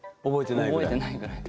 覚えてないぐらい？